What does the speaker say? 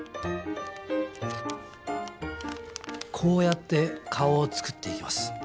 こうやって顔を作っていきます。